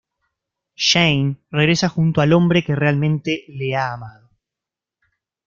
Jane regresa junto al hombre que realmente le ha amado.